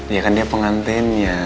ya kan dia pengantinnya